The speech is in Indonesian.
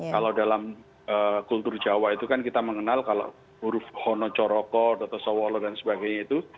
kalau dalam kultur jawa itu kan kita mengenal kalau huruf hono coroko doto sowolo dan sebagainya itu